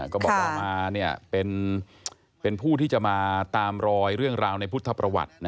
ก็บอกว่ามาเป็นผู้ที่จะมาตามรอยเรื่องราวในพุทธประวัติ